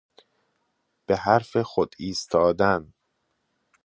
به حرف خود ایستادن